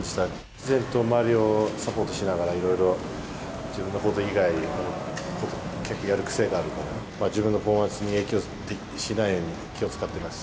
自然と周りをサポートしながら、いろいろ自分のこと以外のことをやる癖があるから、自分のパフォーマンスに影響しないように気を遣っています。